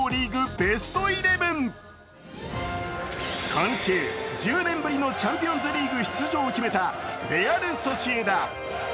今週、１０年ぶりのチャンピオンズリーグ出場を決めたレアル・ソシエダ。